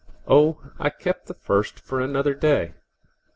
Oh, I kept the first for another day!